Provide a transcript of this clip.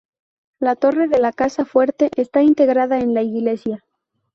La torre de la casa fuerte está integrada en la Iglesia.